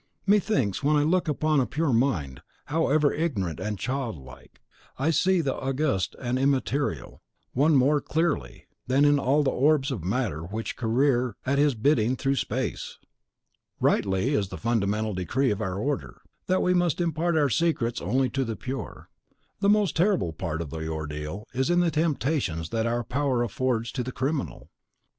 Methinks, when I look upon a pure mind, however ignorant and childlike, that I see the August and Immaterial One more clearly than in all the orbs of matter which career at His bidding through space. Rightly is it the fundamental decree of our order, that we must impart our secrets only to the pure. The most terrible part of the ordeal is in the temptations that our power affords to the criminal.